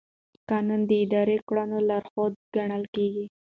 قانون د اداري کړنو لارښود ګڼل کېږي.